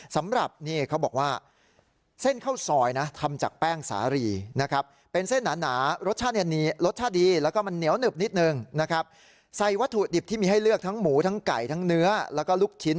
ใส้วัตถุดิบที่มีให้เลือกทั้งหมูทั้งไก่ทั้งเนื้อและลูกชิ้น